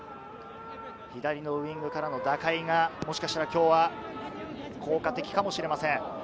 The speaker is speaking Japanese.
左のウイングからの打開がもしかしたら今日は効果的かもしれません。